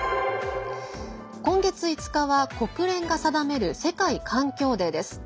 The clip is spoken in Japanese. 今月５日は、国連が定める世界環境デーです。